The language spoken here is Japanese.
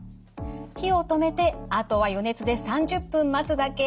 火を止めてあとは余熱で３０分待つだけ。